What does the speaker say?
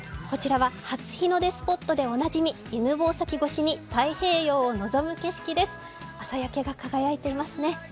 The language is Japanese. こちらは初日の出スポットでおなじみ、犬吠埼越しに太平洋を望む景色です、朝焼けが輝いていますね。